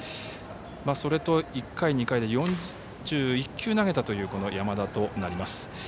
それと１回、２回で４１球投げたという山田となります。